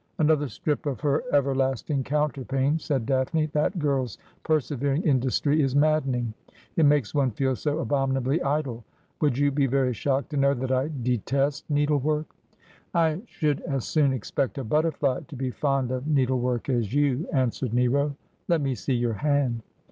' Another strip of her everlasting counterpane,' said Daphne. ' That girl's persevering industry is maddening. It makes one feel so abominably idle. Would you be very shocked to know that I detest needlework ?'' I should as soon expect a butterfly to be fond of needle work as you,' answered Nero. ' Let me see your hand.'